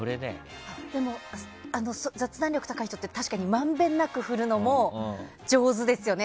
でも雑談力高い人って確かにまんべんなく振るのも上手ですよね。